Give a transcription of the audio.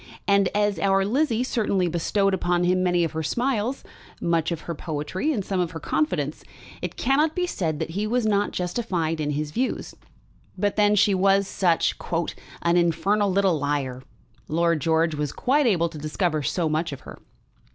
And as our Lizzie certainly bestowed upon him many of her smiles, much of her poetry, and some of her confidence, it cannot be said that he was not justified in his views. But then she was such "an infernal little liar." Lord George was quite able to discover so much of her.